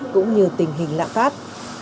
cũng như tình hình lạm phát